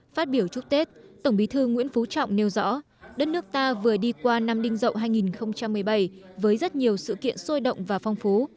phát biểu chúc tết tổng bí thư nguyễn phú trọng nêu rõ đất nước ta vừa đi qua năm đinh dậu hai nghìn một mươi bảy với rất nhiều sự kiện sôi động và phong phú